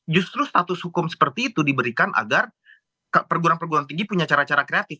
justru status hukum seperti itu diberikan agar perguruan perguruan tinggi punya cara cara kreatif